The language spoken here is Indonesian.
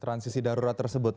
transisi darurat tersebut